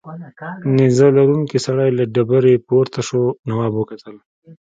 نیزه لرونکی سړی له ډبرې پورته شو تواب وکتل.